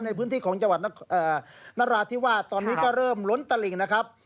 ในพื้นที่ของจังหวัดนราธิวาสตอนนี้ก็เริ่มล้นตลิ่งนะครับ